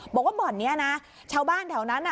บอกว่าบ่อนเนี้ยนะชาวบ้านแถวนั้นอ่ะ